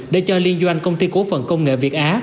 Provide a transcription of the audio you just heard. để cho liên doanh công ty cổ phần công nghệ việt á